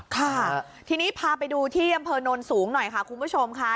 ค่ะทีนี้พาไปดูที่อำเภอโนนสูงหน่อยค่ะคุณผู้ชมค่ะ